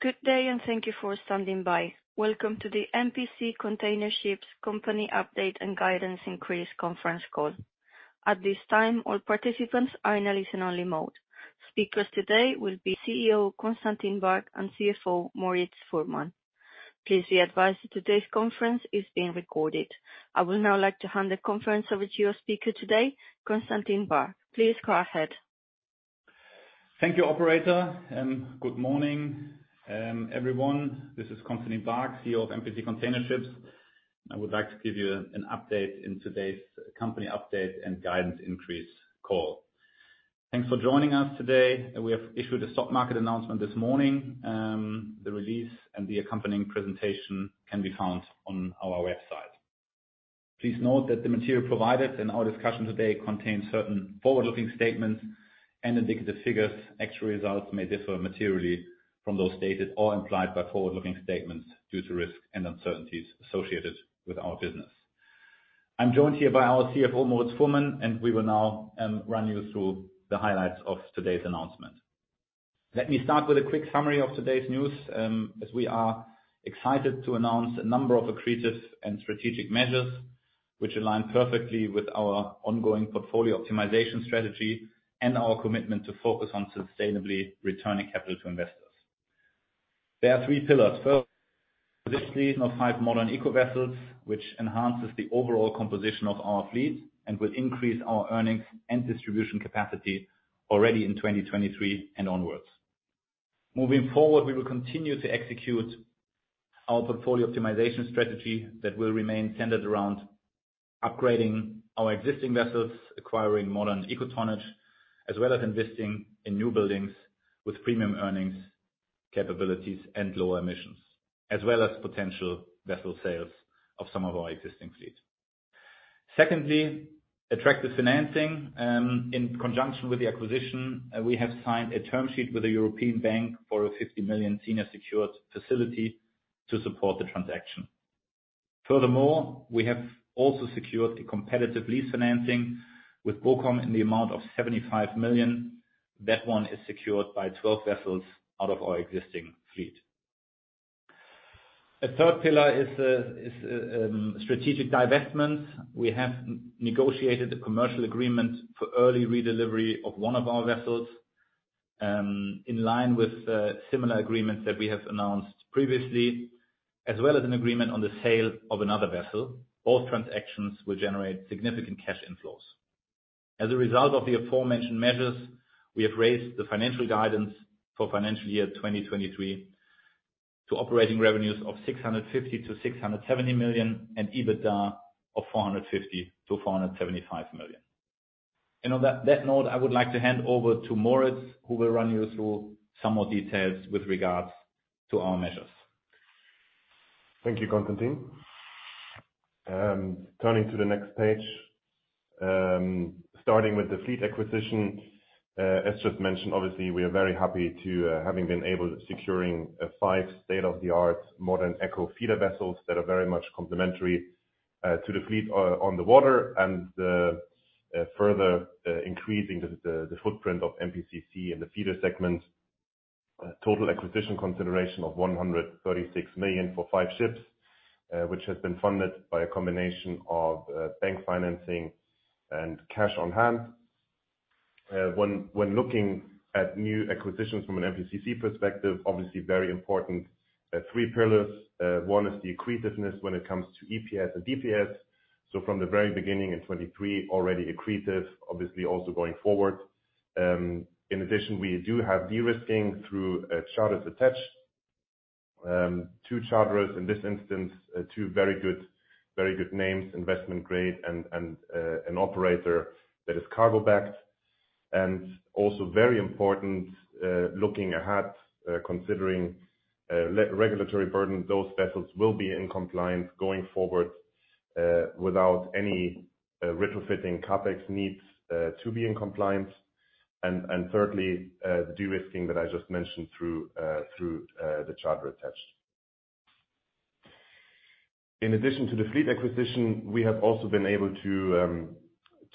Good day, and thank you for standing by. Welcome to the MPC Container Ships Company Update and Guidance Increase conference call. At this time, all participants are in a listen-only mode. Speakers today will be CEO Constantin Baack and CFO Moritz Fuhrmann. Please be advised today's conference is being recorded. I would now like to hand the conference over to your speaker today, Constantin Baack. Please go ahead. Thank you, operator, good morning, everyone. This is Constantin Baack, CEO of MPC Container Ships. I would like to give you an update in today's company update and guidance increase call. Thanks for joining us today. We have issued a stock market announcement this morning. The release and the accompanying presentation can be found on our website. Please note that the material provided in our discussion today contains certain forward-looking statements and indicative figures. Actual results may differ materially from those stated or implied by forward-looking statements due to risks and uncertainties associated with our business. I'm joined here by our CFO, Moritz Fuhrmann, and we will now run you through the highlights of today's announcement. Let me start with a quick summary of today's news, as we are excited to announce a number of accretive and strategic measures which align perfectly with our ongoing portfolio optimization strategy and our commitment to focus on sustainably returning capital to investors. There are three pillars. First, this fleet of five modern eco vessels, which enhances the overall composition of our fleet and will increase our earnings and distribution capacity already in 2023 and onwards. Moving forward, we will continue to execute our portfolio optimization strategy that will remain centered around upgrading our existing vessels, acquiring modern eco tonnage, as well as investing in new buildings with premium earnings capabilities and lower emissions, as well as potential vessel sales of some of our existing fleet. Secondly, attractive financing. In conjunction with the acquisition, we have signed a term sheet with a European bank for a $50 million senior secured facility to support the transaction. We have also secured a competitive lease financing with BoCom in the amount of $75 million. That one is secured by 12 vessels out of our existing fleet. A third pillar is strategic divestment. We have negotiated a commercial agreement for early redelivery of one of our vessels, in line with similar agreements that we have announced previously, as well as an agreement on the sale of another vessel. Both transactions will generate significant cash inflows. As a result of the aforementioned measures, we have raised the financial guidance for financial year 2023 to operating revenues of $650-670 million and EBITDA of $450-475 million. On that note, I would like to hand over to Moritz, who will run you through some more details with regards to our measures. Thank you, Constantin. Turning to the next page. Starting with the fleet acquisition, as just mentioned, obviously, we are very happy to having been able securing five state-of-the-art modern eco feeder vessels that are very much complementary to the fleet on the water and further increasing the footprint of MPCC in the feeder segment. Total acquisition consideration of $136 million for five ships, which has been funded by a combination of bank financing and cash on hand. When looking at new acquisitions from an MPCC perspective, obviously very important, three pillars. One is the accretiveness when it comes to EPS and DPS. From the very beginning in 2023, already accretive, obviously also going forward. In addition, we do have de-risking through charters attached. Two charterers in this instance, two very good names, investment grade, and an operator that is cargo-backed. Also very important, looking ahead, considering regulatory burden, those vessels will be in compliance going forward, without any retrofitting CapEx needs to be in compliance. Thirdly, the de-risking that I just mentioned through the charterer attached. In addition to the fleet acquisition, we have also been able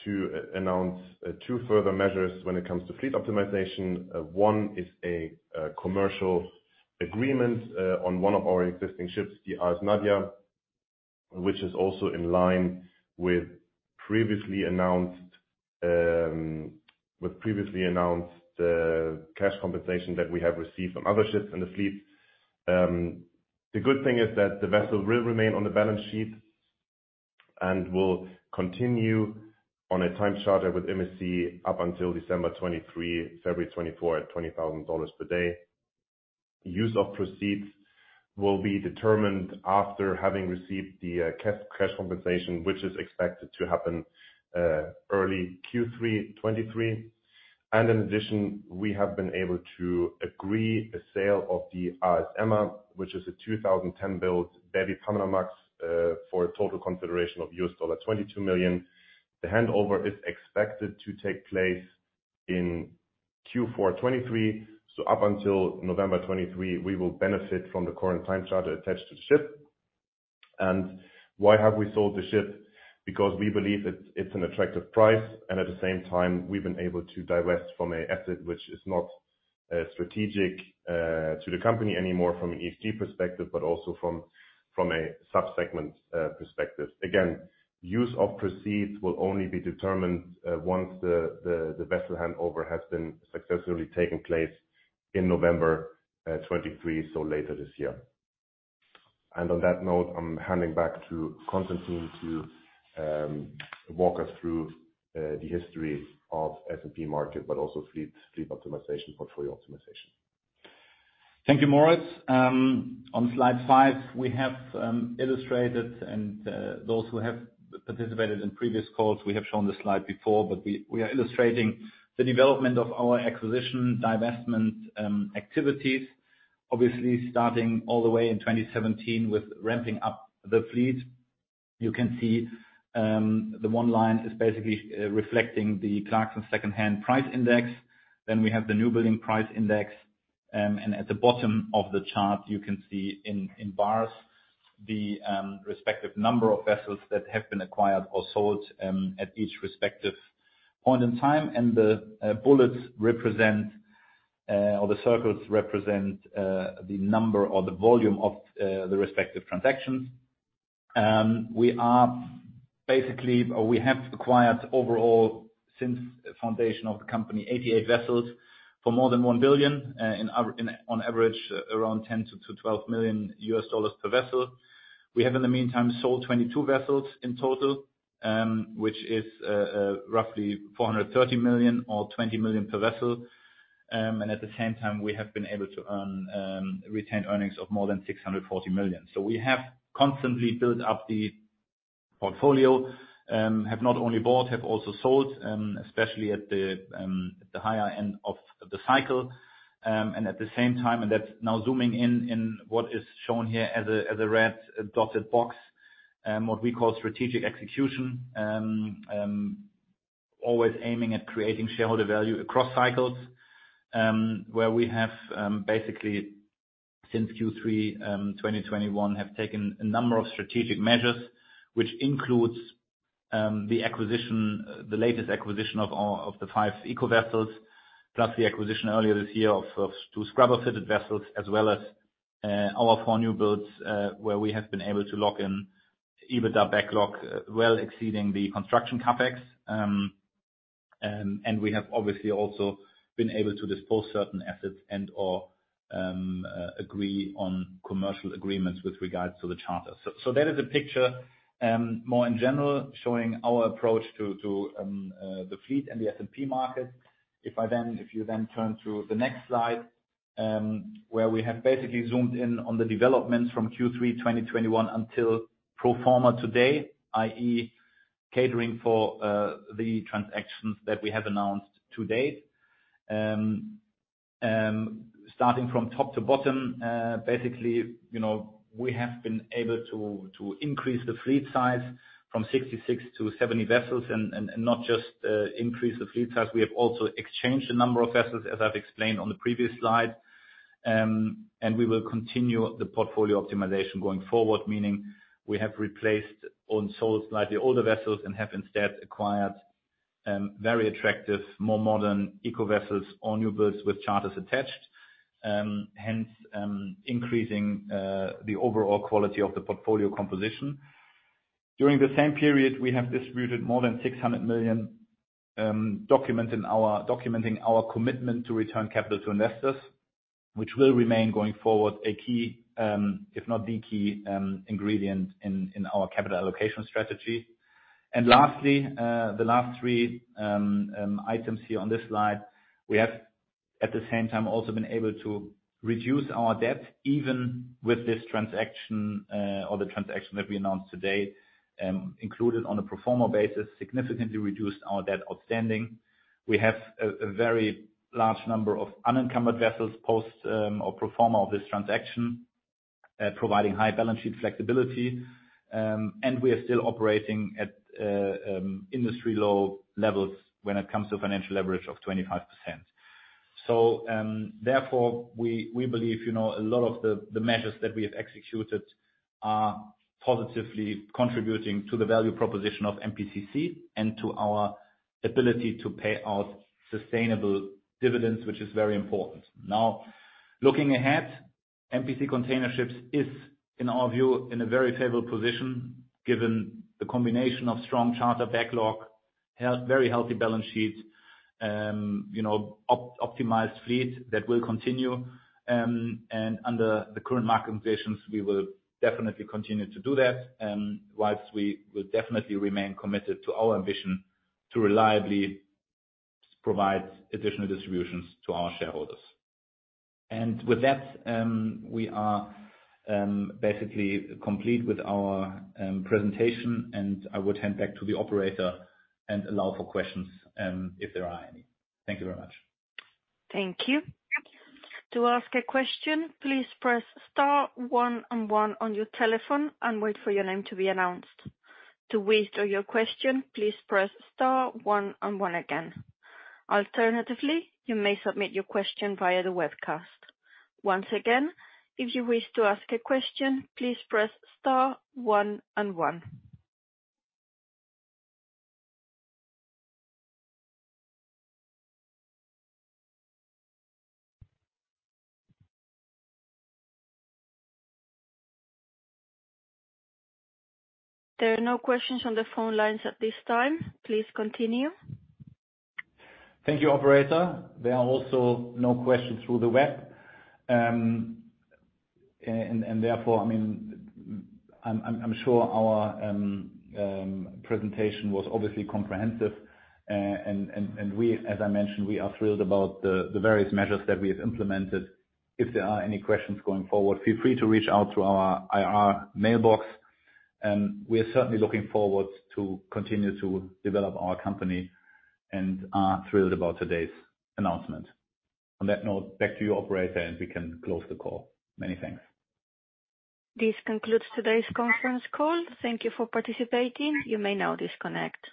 to announce two further measures when it comes to fleet optimization. One is a commercial agreement on one of our existing ships, the AS Nadia, which is also in line with previously announced cash compensation that we have received from other ships in the fleet. The good thing is that the vessel will remain on the balance sheet and will continue on a time charter with MSC up until December 2023, February 2024, at $20,000 per day. Use of proceeds will be determined after having received the cash compensation, which is expected to happen early Q3 2023. In addition, we have been able to agree a sale of the AS Ama, which is a 2010-built baby Panamax, for a total consideration of $22 million. The handover is expected to take place in Q4 2023. Up until November 2023, we will benefit from the current time charter attached to the ship. Why have we sold the ship? We believe it's an attractive price, at the same time, we've been able to divest from an asset which is not strategic to the company anymore from an ESG perspective, but also from a sub-segment perspective. Again, use of proceeds will only be determined once the vessel handover has been successfully taken place in November 2023, so later this year. On that note, I'm handing back to Constantin to walk us through the history of S&P market, but also fleet optimization, portfolio optimization. Thank you, Moritz. On slide five, we have illustrated, and those who have participated in previous calls, we have shown this slide before, but we are illustrating the development of our acquisition divestment activities. Obviously, starting all the way in 2017 with ramping up the fleet. You can see, the one line is basically reflecting the Clarksons Secondhand Price Index. We have the newbuild price index, and at the bottom of the chart, you can see in bars, the respective number of vessels that have been acquired or sold at each respective point in time. The bullets represent or the circles represent the number or the volume of the respective transactions. We are basically, or we have acquired overall, since the foundation of the company, 88 vessels for more than $1 billion, in our, on average, around $10-12 million per vessel. We have, in the meantime, sold 22 vessels in total, which is roughly $430 million or 20 million per vessel. At the same time, we have been able to earn, retain earnings of more than $640 million. We have constantly built up the portfolio, have not only bought, have also sold, especially at the higher end of the cycle. At the same time, and that's now zooming in what is shown here as a red dotted box, what we call strategic execution. Always aiming at creating shareholder value across cycles, where we have, basically, since Q3 2021, have taken a number of strategic measures, which includes the acquisition, the latest acquisition of the five eco vessels, plus the acquisition earlier this year of two scrubber-fitted vessels, as well as our four new builds, where we have been able to lock in EBITDA backlog, well exceeding the construction CapEx. We have obviously also been able to dispose certain assets and or agree on commercial agreements with regards to the charter. That is a picture, more in general, showing our approach to the fleet and the S&P market. If you turn to the next slide, where we have basically zoomed in on the developments from Q3, 2021 until pro forma today, i.e., catering for the transactions that we have announced to date. Starting from top to bottom, basically, you know, we have been able to increase the fleet size from 66 to 70 vessels and not just increase the fleet size, we have also exchanged a number of vessels, as I've explained on the previous slide. We will continue the portfolio optimization going forward, meaning we have replaced or sold slightly older vessels and have instead acquired very attractive, more modern eco vessels or new builds with charters attached. Hence, increasing the overall quality of the portfolio composition. During the same period, we have distributed more than $600 million, documenting our commitment to return capital to investors, which will remain going forward, a key, if not the key, ingredient in our capital allocation strategy. Lastly, the last three items here on this slide, we have, at the same time, also been able to reduce our debt, even with this transaction, or the transaction that we announced today, included on a pro forma basis, significantly reduced our debt outstanding. We have a very large number of unencumbered vessels post, or pro forma of this transaction, providing high balance sheet flexibility. We are still operating at industry-low levels when it comes to financial leverage of 25%. Therefore, we believe, you know, a lot of the measures that we have executed are positively contributing to the value proposition of MPCC and to our ability to pay out sustainable dividends, which is very important. Now, looking ahead, MPC Container Ships is, in our view, in a very favorable position, given the combination of strong charter backlog, very healthy balance sheet, you know, optimized fleet, that will continue. Under the current market conditions, we will definitely continue to do that, whilst we will definitely remain committed to our ambition to reliably provide additional distributions to our shareholders. With that, we are basically complete with our presentation, and I would hand back to the operator and allow for questions if there are any. Thank you very much. Thank you. To ask a question, please press star one and one on your telephone and wait for your name to be announced. To withdraw your question, please press star one and one again. Alternatively, you may submit your question via the webcast. Once again, if you wish to ask a question, please press star one and one. There are no questions on the phone lines at this time. Please continue. Thank you, operator. There are also no questions through the web. Therefore, I mean, I'm sure our presentation was obviously comprehensive, and we, as I mentioned, we are thrilled about the various measures that we have implemented. If there are any questions going forward, feel free to reach out to our IR mailbox. We are certainly looking forward to continue to develop our company and are thrilled about today's announcement. On that note, back to you, operator, and we can close the call. Many thanks. This concludes today's conference call. Thank you for participating. You may now disconnect.